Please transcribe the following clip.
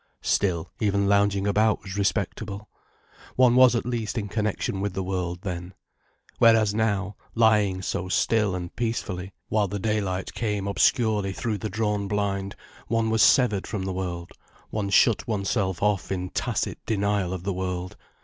Still, even lounging about was respectable. One was at least in connection with the world, then. Whereas now, lying so still and peacefully, while the daylight came obscurely through the drawn blind, one was severed from the world, one shut oneself off in tacit denial of the world.